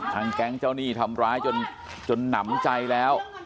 แก๊งเจ้าหนี้ทำร้ายจนหนำใจแล้ว